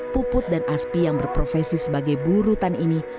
puput dan aspi yang berprofesi sebagai burutan ini